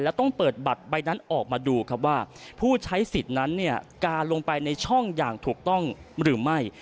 และต้องเปิดบัตรใบนั้นออกมาดูครับว่าผู้ใช้สิทธิ์นั้นเนี่ยการลงไปในช่องอย่างถูกต้องหรือไม่